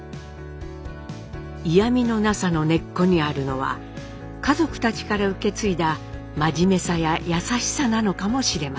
嫌みのなさの根っこにあるのは家族たちから受け継いだ真面目さや優しさなのかもしれません。